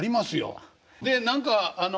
で何かあの。